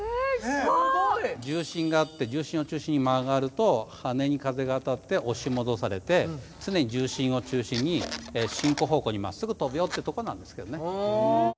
すごい！重心があって重心を中心に曲がると羽根に風があたって押し戻されて常に重心を中心に進行方向にまっすぐ飛ぶよってとこなんですけどね。